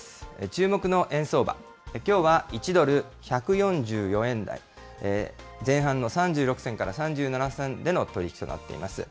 注目の円相場、きょうは１ドル１４４円台前半の３６銭から３７銭での取り引きとなっています。